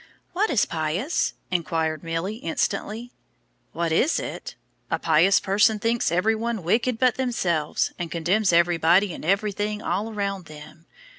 "What is pious?" inquired Milly, instantly. "What is it? A pious person thinks every one wicked but themselves, and condemns everybody and everything all round them.